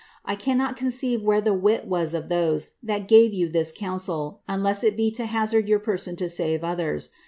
I cannot conceive where the wit was of those that gave you this comp sel, unless it be to hazard your person to save theirs.